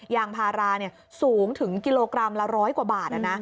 ยางพาราสูงถึงกิโลกรัมละ๑๐๐กว่าบาท